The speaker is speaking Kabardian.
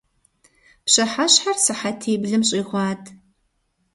Пщыхьэщхьэр сыхьэтиблым щӀигъуат.